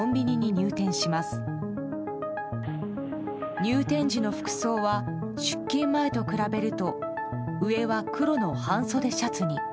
入店時の服装は出勤前と比べると上は黒の半袖シャツに。